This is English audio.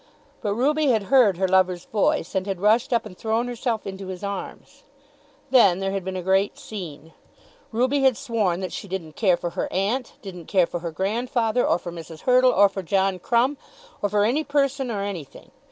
But Ruby had heard her lover's voice, and had rushed up and thrown herself into his arms. Then there had been a great scene. Ruby had sworn that she didn't care for her aunt, didn't care for her grandfather, or for Mrs. Hurtle, or for John Crumb, or for any person or anything.